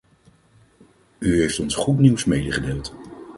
U heeft ons goed nieuws meegedeeld.